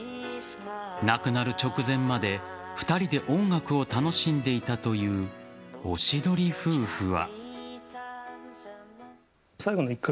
亡くなる直前まで２人で音楽を楽しんでいたというおしどり夫婦は。